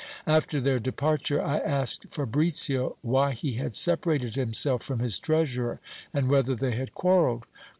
After their departure, I asked Fabricio why he had separated himself from his treasurer, and whether they had quarrelled.